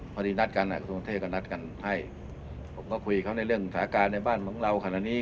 พอดีนัดกันนะส่วนเทกก็นัดกันให้ผมก็คุยเขาในเรื่องสถาการณ์ในบ้านของเราขณะนี้